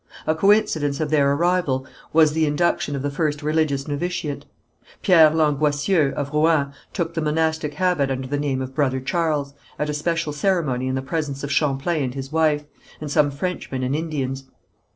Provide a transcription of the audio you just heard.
A coincidence of their arrival was the induction of the first religious novitiate. Pierre Langoissieux, of Rouen, took the monastic habit under the name of Brother Charles, at a special ceremony in the presence of Champlain and his wife, and some Frenchmen and Indians.